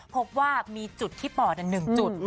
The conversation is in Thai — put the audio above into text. พบว่ามีจุดที่ปอดอันหนึ่งจุด